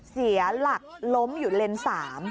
เสียหลักล้มอยู่เลนส์๓